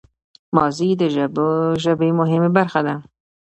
ماضي د ژبي مهمه برخه ده.